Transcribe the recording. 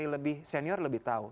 lebih senior lebih tahu